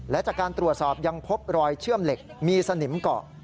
และจากการตรวจสอบยังพบรอยเชื่อมเหล็กมีสนิมเกาะ